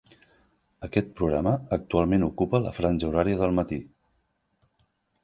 Aquest programa actualment ocupa la franja horària del matí.